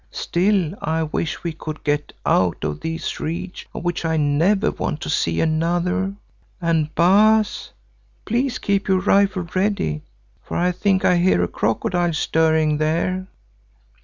Still, I wish we could get out of these reeds of which I never want to see another, and Baas, please keep your rifle ready for I think I hear a crocodile stirring there."